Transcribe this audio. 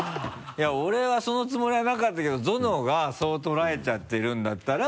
いや俺はそのつもりはなかったけどゾノがそう捉えちゃってるんだったら。